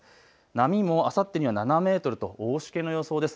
波もあさってには７メートルと大しけの予想です。